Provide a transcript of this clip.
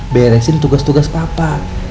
beresin tugas tugas papa